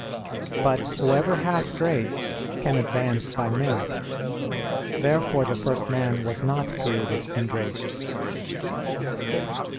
But whoever has grace can advance by merit. Therefore the first man was not created in grace.